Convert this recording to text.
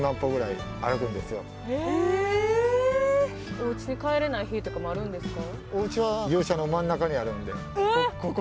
おうちに帰れない日とかもあるんですか？